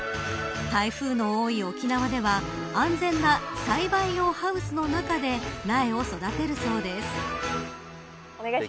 台風の多い沖縄では安全な栽培用ハウスの中で苗を育てるそうです。